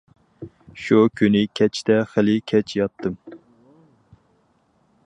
شۇ كۈنى كەچتە خېلى كەچ ياتتىم.